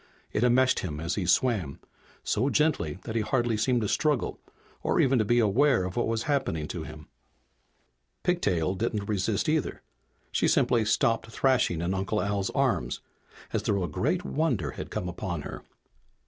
It enmeshed him as he swam, so gently that he hardly seemed to struggle or even to be aware of what was happening to him. Pigtail didn't resist, either. She simply stopped thrashing in Uncle Al's arms, as though a great wonder had come upon her.